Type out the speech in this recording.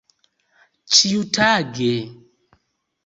ĉiutage